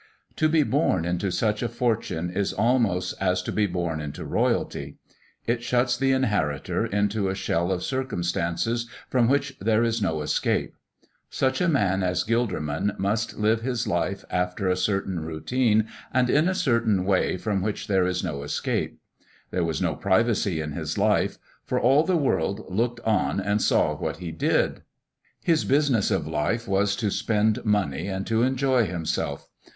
To be born into such a fortune is almost as to be born into royalty. It shuts the inheritor into a shell of circumstances from which there is no escape. Such a man as Gilderman must live his life after a certain routine and in a certain way from which there is no escape. There was no privacy in his life, for all the world looked on and saw what he did. His business of life was to spend money and to enjoy himself.